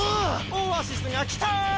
オアシスがキタ！